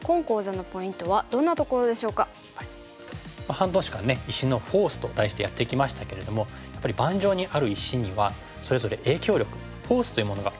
半年間「石のフォース」と題してやってきましたけれどもやっぱり盤上にある石にはそれぞれ影響力フォースというものがあるんですよね。